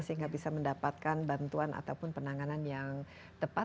sehingga bisa mendapatkan bantuan ataupun penanganan yang tepat